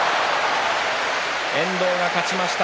遠藤が勝ちました。